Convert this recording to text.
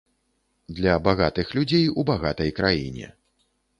Для багатых людзей у багатай краіне.